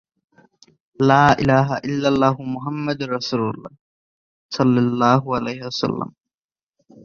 এর মধ্যেই বহু অজুহাত খাড়া করা হয়েছে এবং নানাভাবে অন্যের জন্যে বিপদগ্রস্ত ব্যক্তিদের শনাক্ত করা এবং পরিষ্কার হওয়া দরকার।